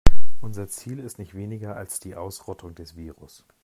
Unser Ziel ist nicht weniger als die Ausrottung des Virus.